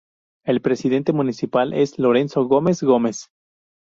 El presidente municipal es Lorenzo Gómez Gómez.